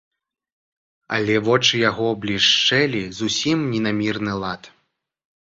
Але вочы яго блішчэлі зусім не на мірны лад.